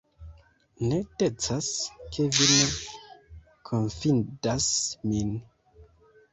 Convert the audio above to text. Ne decas, ke vi ne konfidas min.